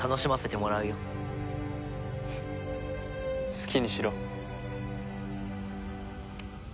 好きにしろ。